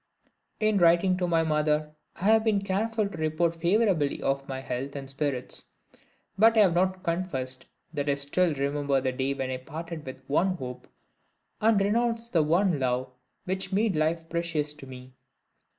In writing to my mother, I have been careful to report favorably of my health and spirits. But I have not confessed that I still remember the day when I parted with the one hope and renounced the one love which made life precious to me.